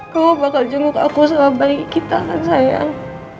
kau bakal jenguk aku sama bayi kita kan sayang